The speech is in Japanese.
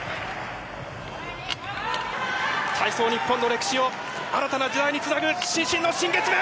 体操日本の歴史を新たな時代につなぐ伸身の新月面！